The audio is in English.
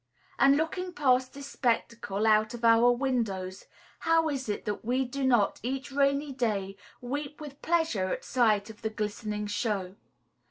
And looking past this spectacle, out of our windows, how is it that we do not each rainy day weep with pleasure at sight of the glistening show?